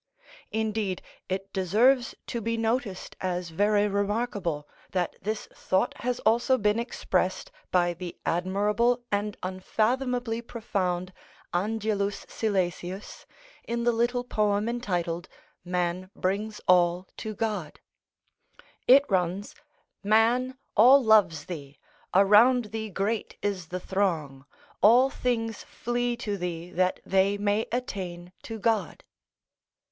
Indeed it deserves to be noticed as very remarkable, that this thought has also been expressed by the admirable and unfathomably profound Angelus Silesius, in the little poem entitled, "Man brings all to God;" it runs, "Man! all loves thee; around thee great is the throng. All things flee to thee that they may attain to God."